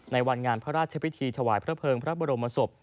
ในวันงานพระราชพิธีถวายพระเภิงพระบรมศพ